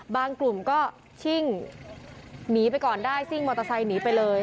กลุ่มก็ชิ่งหนีไปก่อนได้ซิ่งมอเตอร์ไซค์หนีไปเลย